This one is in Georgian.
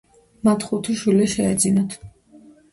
მათ ხუთი შვილი შეეძინათ.